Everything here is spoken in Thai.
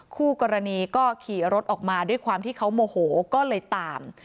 คู่กรณีก็ขี่รถออกมาด้วยความที่เขาโมโหก็เลยตาม